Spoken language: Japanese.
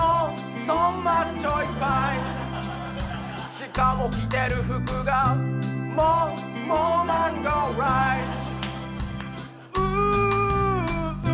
しかも、着てる服が桃、マンゴー、ライチ。